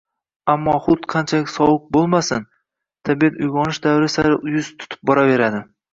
Ammo hut qanchalik sovuq kelmasin, tabiat uygʻonish davri sari yuz tutib boraveradi.